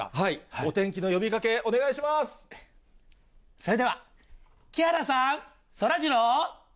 お天気の呼びかけ、お願いしそれでは、木原さん、そらジ